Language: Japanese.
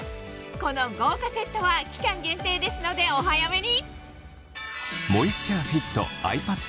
この豪華セットは期間限定ですのでお早めに！